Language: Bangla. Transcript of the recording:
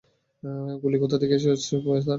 গুলি কোথা থেকে আসছে, স্যার?